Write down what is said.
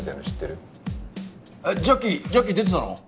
えっジャッキージャッキー出てたの？